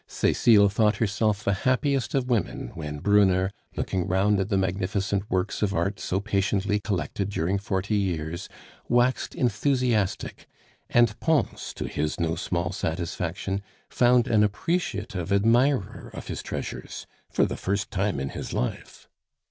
Cecile thought herself the happiest of women when Brunner, looking round at the magnificent works of art so patiently collected during forty years, waxed enthusiastic, and Pons, to his no small satisfaction, found an appreciative admirer of his treasures for the first time in his life.